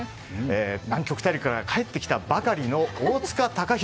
南極大陸から帰ってきたばかりの大塚隆広